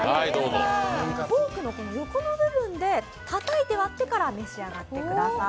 フォークの横の部分でたたいて割ってから召し上がってください。